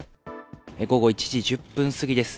午後１時１０分過ぎです。